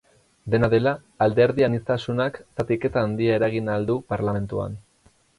Dena dela, alderdi-aniztasunak zatiketa handia eragin ahal du parlamentuan.